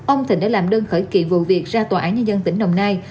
ông thịnh đã làm đơn khởi kiện vụ việc ra tòa án nhân dân tỉnh đồng nai